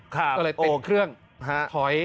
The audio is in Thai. เดินเครื่องถอย